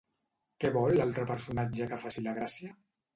Què vol l'altre personatge que faci la Gràcia?